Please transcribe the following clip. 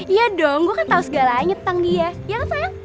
iya dong gue kan tau segalanya tentang dia ya kan sayang